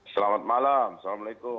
selamat malam assalamualaikum